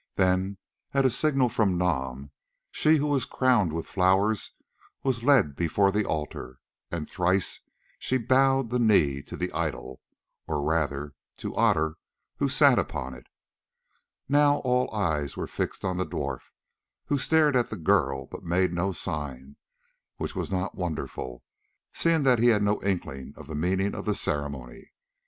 Then, at a signal from Nam, she who was crowned with flowers was led before the altar, and thrice she bowed the knee to the idol, or rather to Otter who sat upon it. Now all eyes were fixed on the dwarf, who stared at the girl but made no sign, which was not wonderful, seeing that he had no inkling of the meaning of the ceremony.